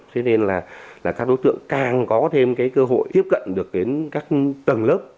thế nên là các đối tượng càng có thêm cơ hội tiếp cận được đến các tầng lớp